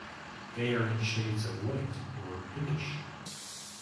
They are in shades of white or pinkish.